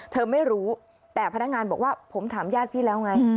เธอไม่รู้แต่พนักงานบอกว่าผมถามญาติพี่แล้วไง